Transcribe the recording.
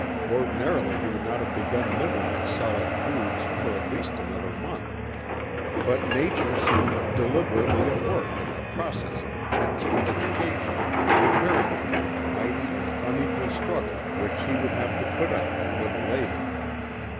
Ordinarily he would not have begun nibbling at solid foods for at least another month, but nature seemed deliberately at work in a process of intensive education preparing him for the mighty and unequal struggle which he would have to put up a little later.